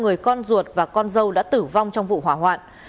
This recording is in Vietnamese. người con ruột và con dâu đã tử vong trong vụ hỏa hoạn